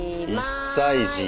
１歳児。